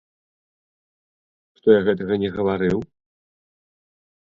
Што я гэтага не гаварыў?